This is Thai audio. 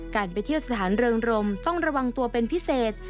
ไปเที่ยวสถานเริงรมต้องระวังตัวเป็นพิเศษ